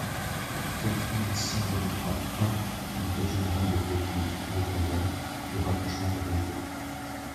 quatre mille cent vingt-trois-un du code général des collectivités territoriales, le rapprochement des régions.